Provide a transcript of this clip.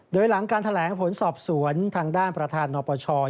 โดยหลังการแถลงผลสอบสวนทางด้านประธานนปช